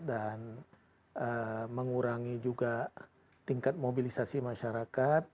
dan mengurangi juga tingkat mobilisasi masyarakat